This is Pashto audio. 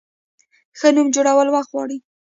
ښه نوم جوړول وخت غواړي.